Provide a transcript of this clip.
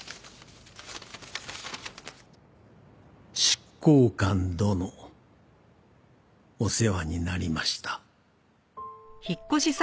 「執行官殿」「御世話になりました」